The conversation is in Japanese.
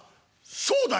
「そうだよ！」。